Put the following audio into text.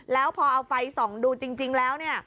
แล้วพอเอาไฟส่องดูจริงแล้วเนี่ย